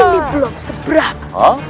ini belum seberat